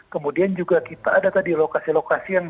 kemudian juga kita ada tadi lokasi lokasi yang